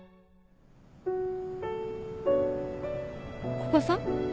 古賀さん？